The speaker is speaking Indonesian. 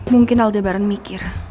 mungkin aldebaran mikir